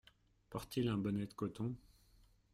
Porte-t-il un bonnet de coton ?…